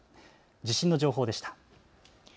地震の情報でした。